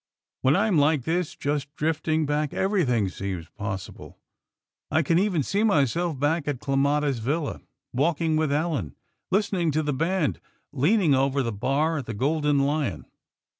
When I am like this, just drifting back, everything seems possible. I can even see myself back at Clematis Villa, walking with Ellen, listening to the band, leaning over the bar of the Golden Lion.